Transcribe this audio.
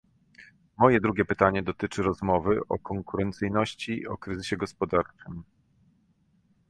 Moje drugie pytanie dotyczy rozmowy o konkurencyjności, o kryzysie gospodarczym